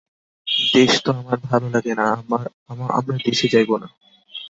দেশ তো তোমার ভালো লাগে না–আমরা দেশে যাইব না।